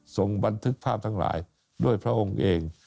บันทึกภาพทั้งหลายด้วยพระองค์เอง